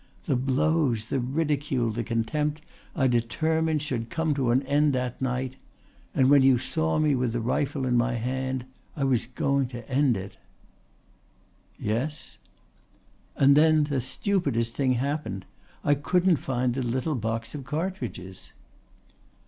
"The blows, the ridicule, the contempt, I determined, should come to an end that night, and when you saw me with the rifle in my hand I was going to end it." "Yes?" "And then the stupidest thing happened. I couldn't find the little box of cartridges."